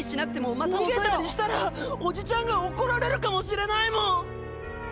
逃げたりしたらおじちゃんが怒られるかもしれないもん！